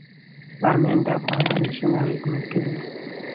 بامیان د افغانانو ژوند اغېزمن کوي.